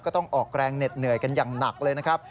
ต้องออกแรงเหน็ดเหนื่อยกันอย่างหนักเลยนะครับ